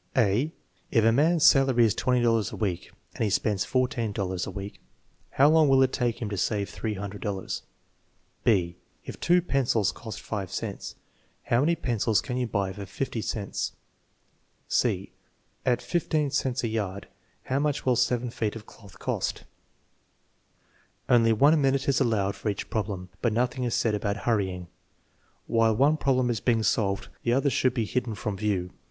(a) // a man's salary is $&0 a week and he spends $14 a week, how long will it take him to save $300? Qj) If 2 pencils cost 5 cents, how many pencils can you buy for 50 cents? (c). At 15 cents a yard, how much will 7 feet of qloth cost? Only one minute is allowed for each problem, but nothing is said about hurrying. While one problem is being solved, the others should be hidden from view.